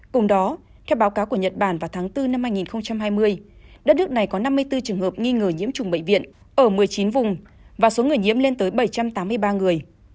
cùng đó theo báo cáo của nhật bản vào tháng bốn năm hai nghìn hai mươi đất nước này có năm mươi bốn trường hợp nghi ngờ nhiễm trùng bệnh viện ở một mươi chín vùng và số người nhiễm lên tới bảy trăm tám mươi ba người